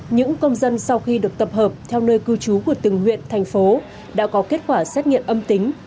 những công dân sau khi được tập hợp theo nơi cư trú của từng huyện thành phố đã có kết quả xét nghiệm âm tính